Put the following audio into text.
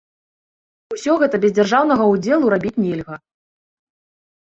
Усё гэта без дзяржаўнага ўдзелу рабіць нельга.